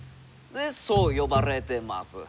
でそう呼ばれてます。